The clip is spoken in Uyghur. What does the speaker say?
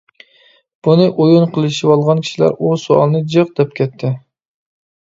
بۇنى ئويۇن قىلىشىۋالغان كىشىلەر، ئۇ سوئالنى جىق دەپ كەتتى.